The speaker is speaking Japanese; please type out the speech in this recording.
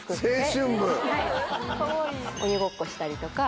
鬼ごっこしたりとか。